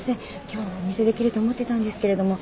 今日お見せできると思ってたんですけれども。